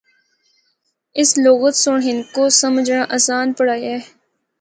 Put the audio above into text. اس لغت سنڑ ہندکو سمجھنڑا آسان پنڑایا اے۔